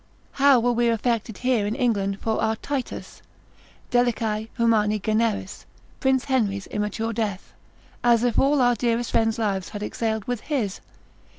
How were we affected here in England for our Titus, deliciae, humani generis, Prince Henry's immature death, as if all our dearest friends' lives had exhaled with his?